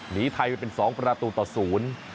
หนีไทยไปเป็นสองประตูต่อศูนย์